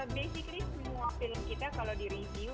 basically semua film kita kalau direview